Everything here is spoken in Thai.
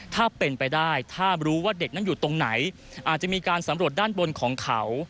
ถ้าเป็นไปได้ถ้ารู้ว่าเด็กนั้นอยู่ตรงไหนอาจจะมีการสำรวจด้านบนของเขา